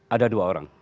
ada dua orang